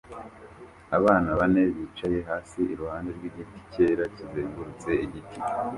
Abana bane bicaye hasi iruhande rw'igiti cyera kizengurutse igiti